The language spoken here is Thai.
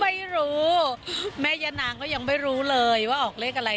ไม่รู้แม่ยะนางก็ยังไม่รู้เลยว่าออกเลขอะไร